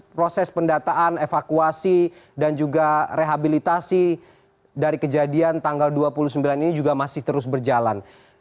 proses pendataan evakuasi dan juga rehabilitasi dari kejadian tanggal dua puluh sembilan ini juga masih terus berjalan